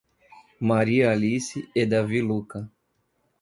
Maria Alice e Davi Lucca